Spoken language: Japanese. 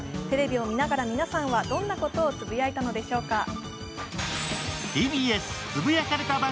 テレビを見ながら皆さんはどんなことをつぶやいたのでしょうか。